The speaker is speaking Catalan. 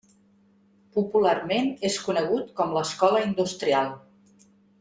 Popularment és conegut com l'Escola Industrial.